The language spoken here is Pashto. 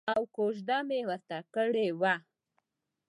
او کوزده مې ورته کړې وه.